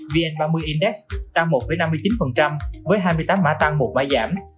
vn ba mươi index tăng một năm mươi chín với hai mươi tám mã tăng một mã giảm